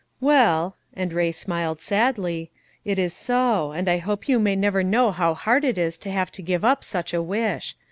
"Well," and Ray smiled sadly, "it is so; and I hope you may never know how hard it is to have to give up such a wish.